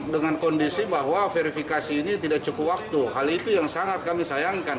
dengan kondisi bahwa verifikasi ini tidak cukup waktu hal itu yang sangat kami sayangkan